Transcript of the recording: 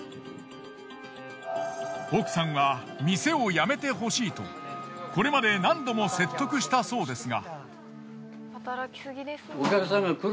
奥さんは店をやめて欲しいとこれまで何度も説得したそうですが。